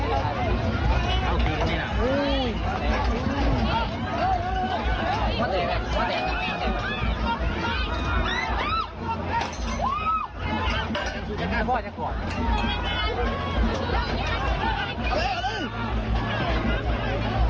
เอาเลยเอาเลย